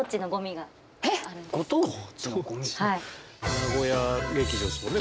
名古屋劇場ですもんね？